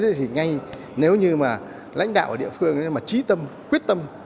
thế thì ngay nếu như mà lãnh đạo ở địa phương mà trí tâm quyết tâm